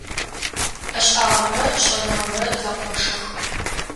Ӏэшӏагъэмрэ шӏэныгъэмрэ зэкъошых.